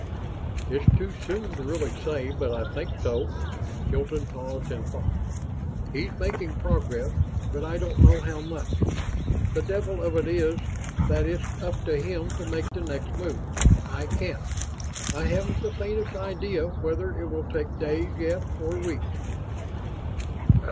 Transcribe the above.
"It's too soon to really say, but I think so." Hilton paused in thought. "He's making progress, but I don't know how much. The devil of it is that it's up to him to make the next move; I can't. I haven't the faintest idea, whether it will take days yet or weeks."